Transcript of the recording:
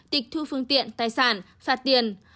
tịch thu phương tiện tài sản phạt tiền